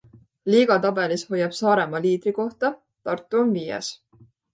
Liigatabelis hoiab Saaremaa liidrikohta, Tartu on viies.